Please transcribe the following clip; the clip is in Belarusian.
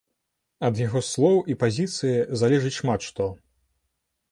Ад яго слоў і пазіцыі залежыць шмат што.